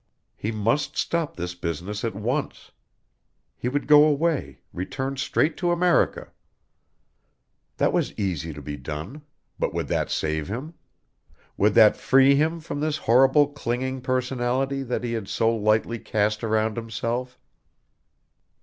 He must stop this business at once. He would go away, return straight to America. That was easy to be done but would that save him? Would that free him from this horrible clinging personality that he had so lightly cast around himself?